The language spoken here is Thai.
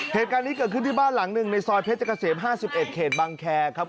เหตุการณ์นี้เกิดขึ้นที่บ้านหลังหนึ่งในซอยเพชรเกษม๕๑เขตบังแคร์ครับ